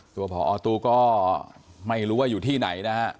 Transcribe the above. ตัวพอตู้ก็ไม่รู้ว่าอยู่ที่ไหนนะครับ